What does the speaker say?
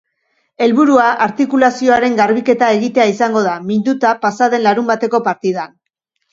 Helburua artikulazioaren garbiketa egitea izango da, minduta pasa den larunbateko partidan.